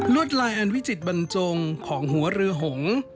วดลายอันวิจิตบรรจงของหัวเรือหงษ์